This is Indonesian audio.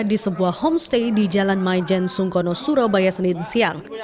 di sebuah homestay di jalan maijen sungkono surabaya senin siang